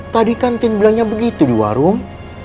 tadi kan tin bilangnya begitu di warung